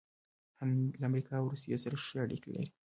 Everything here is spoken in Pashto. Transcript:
هند له امریکا او روسیې سره ښې اړیکې لري.